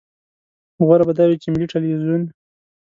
غوره به دا وي چې ملي ټلویزیون.